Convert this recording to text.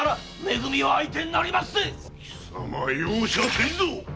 貴様容赦せぬぞ！